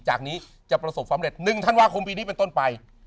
จากนี้จะประสบความเร็ด๑ธันวาคมปีนี้เป็นต้นไป